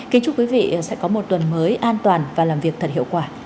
kính chúc quý vị sẽ có một tuần mới an toàn và làm việc thật hiệu quả